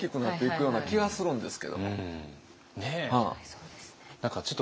そうですね。